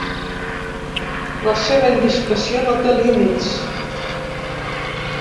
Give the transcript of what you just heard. La seva indiscreció no té límits.